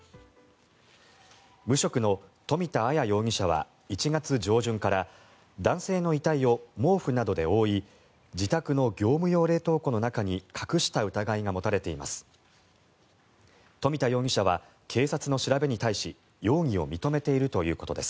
無職の富田あや容疑者は１月上旬から男性の遺体を毛布などで覆い自宅の業務用冷凍庫の中に隠した疑いが持たれています。